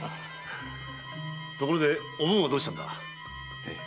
ところでおぶんはどうしたんだ？